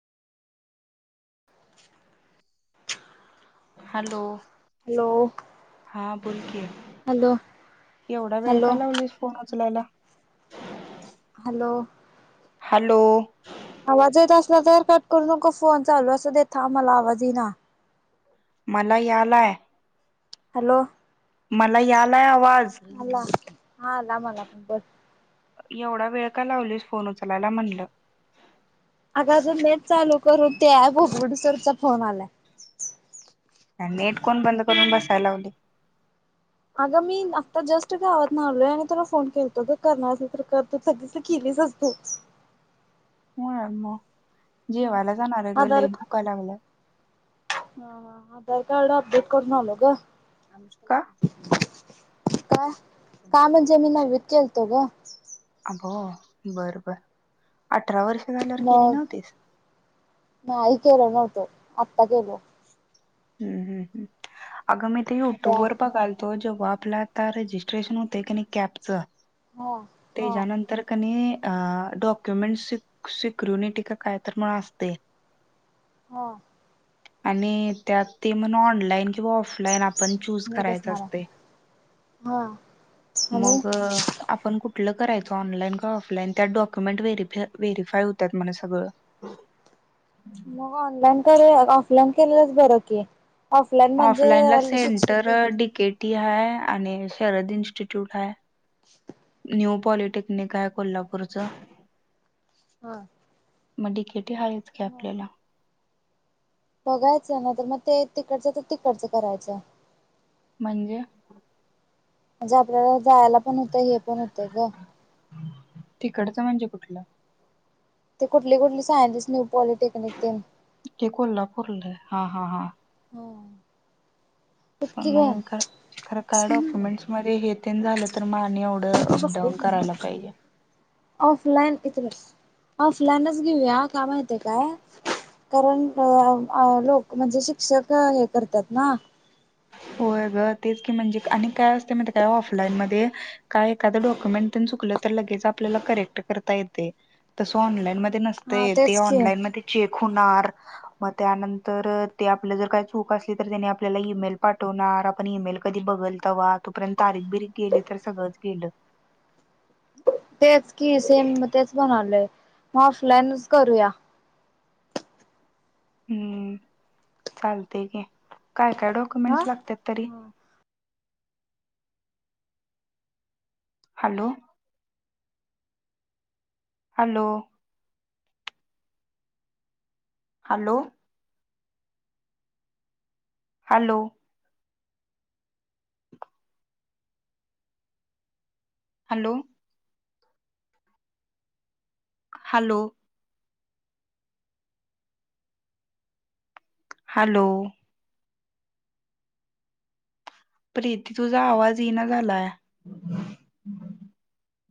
Hello hello हा बोलकी hello एवढा वेळ हॅलो काय लावलीस फोन उचलायला हॅलो हॅलो. आवाज येत असला तरं कट करू नको फोन चालू असूदे, थांब मला आवाज येईना. मला यालायं. हॅलो. मला यालायं आवाजं. आला हा आला मला पण बघं. एवढा वेळ का लावलीसं फोन उचलायलां म्हणलं. अगं अजून नेट चालू करून ते ॲप उघडोत्सोवर तुझा फोन आला. नेट कोण बंद करून बसायं लावलंय. अगं मी आता जस्ट गावातून आलोयं आणि तुला फोन केलतो गं करणारं असेलं तरं तोपर्यंत तु केलीस. [inaudible] नाय मगं. जेवायला जाणारं आहे गं. आधार लई भूका लागल्यातं. आधार कार्ड अपडेट करून आलो गं. का का? का म्हणजे मी नववीत केलतो गं. हो, बरं बरं. मग नाही केलं नव्हतं आत्ता केलं. हम्म ह्म्म अगं मी ते युट्यूब त्या वर बघालतो जेव - आपला आत्ता रजिस्ट्रेशन होते की नाही कॅपचं. हा हा त्यानंतर की नायं. आ डॉक्युमेंट्स सिक्सिक्युरिनिटी का कायं तरं मग असते. हां. आणि त्यात ते म्हणं ऑनलाइन- किंवा ऑफलाईन आपण चूज मी करायचं बसणार असतंय. आहे हा आणि मगं आपण कुठ. आपलं करायच ऑनलाइन किंवा ऑफलाइन त्यात डॉक्युमेंट व्हेरीफ्या व्हेरीफाय होतात म्हणं सगळं. [inaudible] मग ऑनलाईन केले ऑफलाईन केलेलंच बरं की. ऑफलाईन ऑफलाइन ला म्हणजे सेंटर शिक्षक डि के टी आहे. आणि शरद इन्स्टिट्यूट आहे. न्यू पॉलिटेक्निक आहे कोल्हापूरचं. हा. मगं डि के टी आहे की आपल्याला. बघायचं नाही तर मगं ते तिकडचं तरं तिकडचं करायचं. म्हणजे. म्हणजे आपल्याला जायला पण होतं हे पण होतं गं. इकडचं म्हणजे कुठलं. ते कुठली कुठली सायन्स न्यू पॉलिटेक्निक ते. हे कोल्हापूरला आहे हा हा हा. हो. नाही खरं काय डॉक्युमेंट्स मध्ये हे तेन झाले तरं मगं आ- एवढं पण अपडाऊन बसलेच ना करायलां पाहिजे. ऑफलाईन इथं बसं. ऑनलाइनच घेऊया का माहितेय कायं, कारण अ लोक म्हणजे शिक्षक हे करत्यात नां. होयं गं तेच की, म्हणजे आणि काय असते माहितेयं कायं ऑफलाईन मध्ये कायं एखाद डॉक्युमेंट. तेन चुकलं तरं लगेचं आपल्याला करेक्ट करता येते, तसं ऑनलाइन मध्ये ते हा नसते ते तेच की ऑनलाईन मध्ये चेक होणारं. मग त्यानंतर ते आपलं जर काही चूक असली तरं त्यांनी आपल्याला ईमेल पाठवणारं आपण ईमेल कधी बघलं तव्हा तोपर्यंत तारीख बिरीक गेली तर सगळंच गेलं. [inaudible] तेच की सेम तेच म्हणालय मग ऑफलाईनच करूया. हम्म चालतय की काय काय हा. डॉक्युमेंट्स लागतात तरी. Hello hello hello hello hello hello hello Preeti तुझा आवाज येइना झालाया.